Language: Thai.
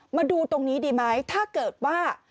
มาดูตรงนี้ดีไหมถ้าเกิดว่า